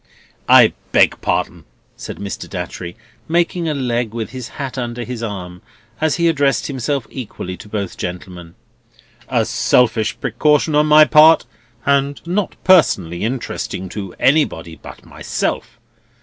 "I beg pardon," said Mr. Datchery, making a leg with his hat under his arm, as he addressed himself equally to both gentlemen; "a selfish precaution on my part, and not personally interesting to anybody but myself.